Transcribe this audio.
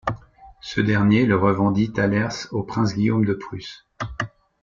Ce dernier le revendit thalers au prince Guillaume de Prusse.